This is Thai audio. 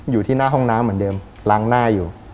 อยู่ที่หน้าห้องน้ำเหมือนเดิมล้างหน้าอยู่